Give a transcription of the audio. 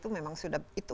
itu memang sudah itu